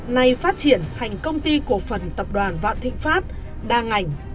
nay phát triển thành công ty cổ phần tập đoàn vạn thịnh pháp đa ngành